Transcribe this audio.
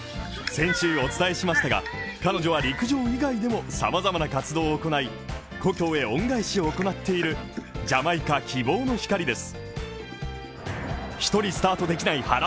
先週お伝えしましたが、彼女は陸上以外でも様々な活動を行い、故郷へ恩返しを行っているジャマイカ希望の光です。